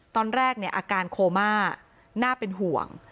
ตอนแรกอาการโคม่าน่าเป็นห่วง